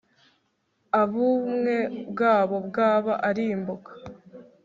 aubumwe bwabo bwaba arimbuka